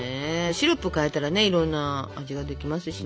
シロップ変えたらねいろんな味ができますしね。